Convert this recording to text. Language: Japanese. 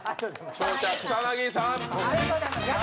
勝者、草薙さん。